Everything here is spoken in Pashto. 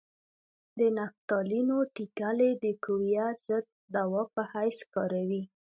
د نفتالینو ټېکلې د کویه ضد دوا په حیث کاروي.